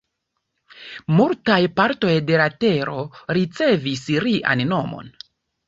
Multaj partoj de la tero ricevis lian nomon.